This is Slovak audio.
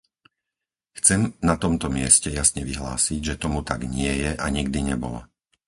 Chcem na tomto mieste jasne vyhlásiť, že tomu tak nie je a nikdy nebolo.